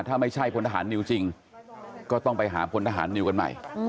ถ้าไม่ใช่พลทหารนิวจริงก็ต้องไปหาพลทหารนิวกันใหม่